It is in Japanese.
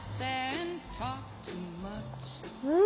うん。